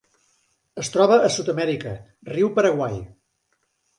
Es troba a Sud-amèrica: riu Paraguai.